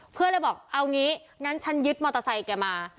เพื่อนเลยบอกเอางี้งั้นฉันยึดมอเตอร์ไซค์แกมา